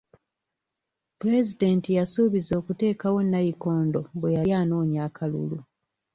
Pulezidenti yasuubiza okuteekawo nnayikondo bwe yali anoonya akalulu.